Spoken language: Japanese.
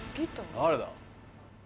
誰だ？